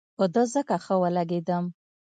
په ده ځکه ښه ولګېدم.